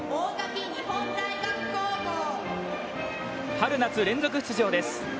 春夏連続出場です。